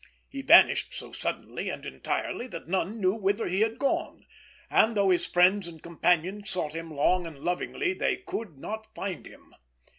He vanished so suddenly and entirely that none knew whither he had gone; and though his friends and companions sought him long and lovingly, they could not find him.